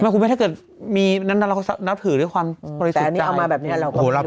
คุณแม่ถ้าเกิดนั้นเราก็นับถือด้วยความฝันสุขใจ